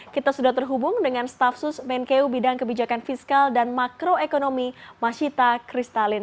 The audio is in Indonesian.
kita sudah terhubung dengan stafsus menkeu bidang kebijakan fiskal dan makroekonomi mas sita kristalin